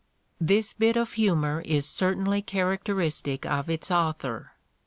This bit of humor is certainly characteristic of ita author.